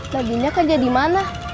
tadinya kerja di mana